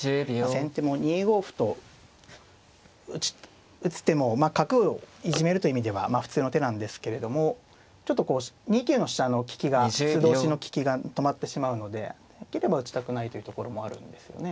先手も２五歩と打つ手も角をいじめるという意味では普通の手なんですけれどもちょっとこう２九の飛車の利きが素通しの利きが止まってしまうのでできれば打ちたくないというところもあるんですよね。